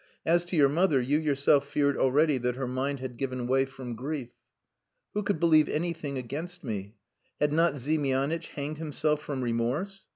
As to your mother, you yourself feared already that her mind had given way from grief. Who could believe anything against me? Had not Ziemianitch hanged himself from remorse?